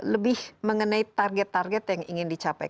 lebih mengenai target target yang ingin dicapai